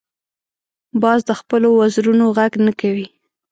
باز د خپلو وزرونو غږ نه کوي